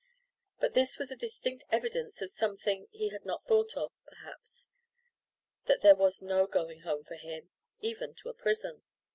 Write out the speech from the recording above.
But this was a distinct evidence of something he had not thought of, perhaps that there was no going home for him, even to a prison.